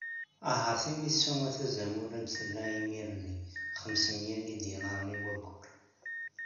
Ahat imi ssuma tazamulant tella imir-nni xemsemya n yidinaren i wayyur.